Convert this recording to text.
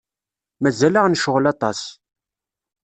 Mazal-aɣ necɣel aṭas.